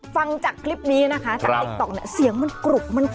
ฟังจากคลิปนี้นะคะจากติ๊กต